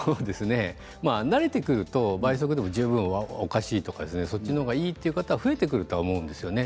慣れてくると倍速でも十分おかしいとか、そっちの方がいいという方が増えてくるとは思うんですよね。